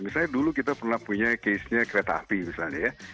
misalnya dulu kita pernah punya case nya kereta api misalnya ya